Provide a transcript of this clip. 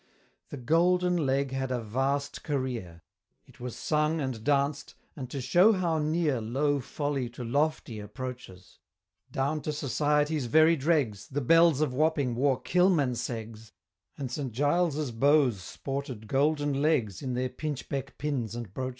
The Golden Leg had a vast career, It was sung and danced and to show how near Low Folly to lofty approaches, Down to society's very dregs, The Belles of Wapping wore "Kilmanseggs," And St. Gile's Beaux sported Golden Legs In their pinchbeck pins and brooches!